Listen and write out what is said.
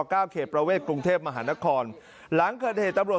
ก้าวเขตประเวทกรุงเทพฯมหานครหลังเครื่องเทศตำรวจ